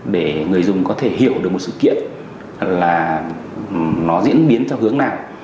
để người dùng có thể hiểu được một sự kiện là nó diễn biến theo hướng nào